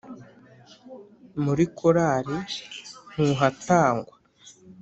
muri korali ntuhatangwa